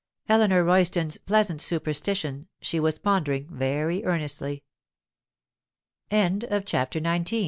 Eleanor Royston's pleasant 'superstition' she was pondering very earnestly. CHAPTER XX THE ball